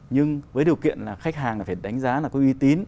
nhưng với điều kiện là khách hàng phải đánh giá là có uy tín